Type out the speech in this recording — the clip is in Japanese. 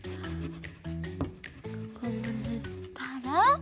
ここもぬったら。